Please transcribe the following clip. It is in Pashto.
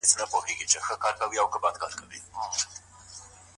استازو به د بهرنيو مرستو روښانه حساب وړاندې کړی وي.